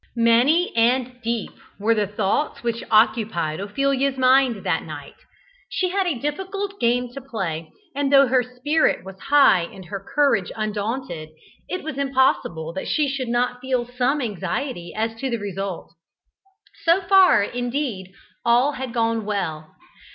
Many and deep were the thoughts which occupied Ophelia's mind that night; she had a difficult game to play, and though her spirit was high and her courage undaunted, it was impossible that she should not feel some anxiety as to the result. So far, indeed, all had gone well.